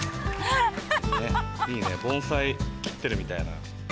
いいね盆栽切ってるみたいな。